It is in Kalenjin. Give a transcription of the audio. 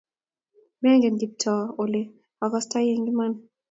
Mengen Kiptoo ole akastoi eng' iman.